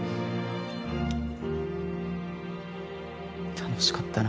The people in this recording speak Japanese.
楽しかったな